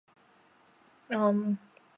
广义矩估计发展而来。